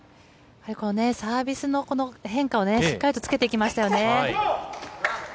サービスの変化をしっかりとつけてきましたよね。